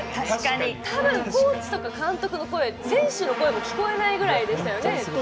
たぶんコーチとか監督、選手の声も聞こえないぐらいでしたよね。